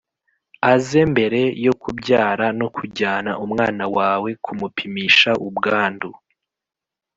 Aze mbere yo kubyara no kujyana umwana wawe kumupimisha ubwandu